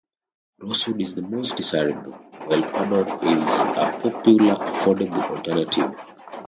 Rosewood is the most desirable, while Padauk is a popular affordable alternative.